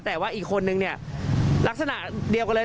แต่ว่าอีกคนนึงเนี่ยลักษณะเดียวกันเลย